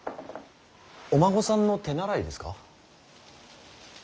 お孫さんの手習いですか？